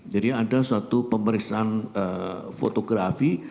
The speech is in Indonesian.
jadi ada suatu pemeriksaan fotografi